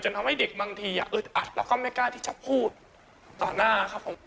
ทำให้เด็กบางทีอึดอัดแล้วก็ไม่กล้าที่จะพูดต่อหน้าครับผม